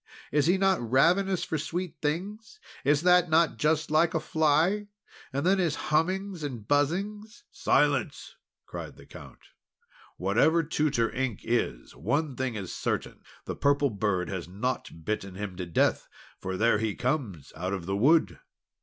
Is he not ravenous for sweet things? Is that not just like a fly? And then his hummings and buzzings." "Silence," cried the Count. "Whatever Tutor Ink is, one thing is certain, the Purple Bird has not bitten him to death! for there he comes out of the wood!"